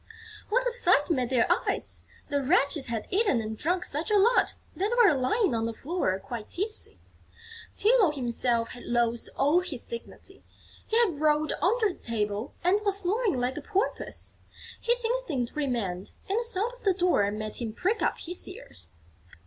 What a sight met their eyes! The wretches had eaten and drunk such a lot that they were lying on the floor quite tipsy! Tylô himself had lost all his dignity. He had rolled under the table and was snoring like a porpoise. His instinct remained; and the sound of the door made him prick up his ears.